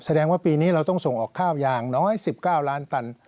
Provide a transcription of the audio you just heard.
แสดงว่าปีนี้เราต้องส่งออกข้าวยางน้อย๑๙ล้านตัน